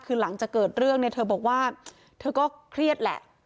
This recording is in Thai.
คือหลังจากเกิดเรื่องเนี่ยเธอบอกว่าเธอก็เครียดแหละ